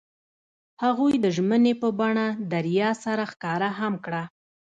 هغوی د ژمنې په بڼه دریا سره ښکاره هم کړه.